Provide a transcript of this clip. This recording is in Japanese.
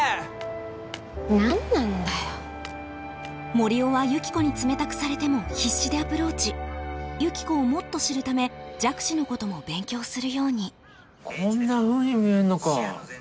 森生はユキコに冷たくされても必死でアプローチユキコをもっと知るため弱視のことも勉強するようにこんなふうに見えんのか。